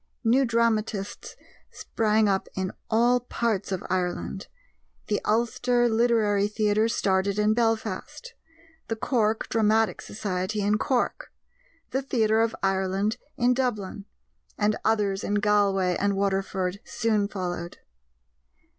New dramatists sprang up in all parts of Ireland; The Ulster Literary Theatre started in Belfast; The Cork Dramatic Society, in Cork; The Theatre of Ireland, in Dublin; and others in Galway and Waterford soon followed.